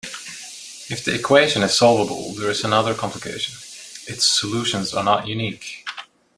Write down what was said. If the equation is solvable, there is another complication: its solutions are not unique.